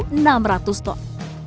menurut pak jokowi